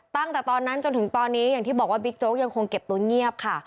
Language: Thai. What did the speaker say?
ตั้งแต่ตอนนั้นจนถึงตอนนี้อย่างที่บอกว่าบิ๊กโจ๊กยังคงเก็บตัวเงียบค่ะ